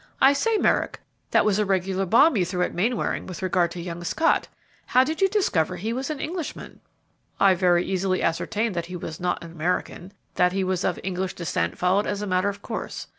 "I say, Merrick, that was a regular bomb you threw at Mainwaring with regard to young Scott! How did you discover he was an Englishman?" "I very easily ascertained that he was not an American; that he was of English descent followed as a matter of course.